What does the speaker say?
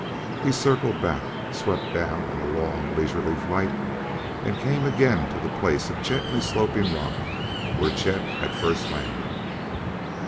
He circled back; swept down in a long, leisurely flight, and came again to the place of gently sloping rock where Chet had first landed.